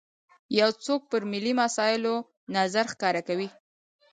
یو څوک پر ملي مسایلو نظر ښکاره کوي.